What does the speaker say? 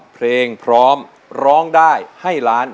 เพลงพร้อมร้องได้ให้ล้าน